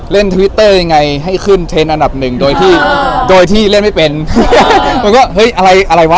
ทวิตเตอร์ยังไงให้ขึ้นเทรนด์อันดับหนึ่งโดยที่โดยที่เล่นไม่เป็นมันก็เฮ้ยอะไรอะไรวะ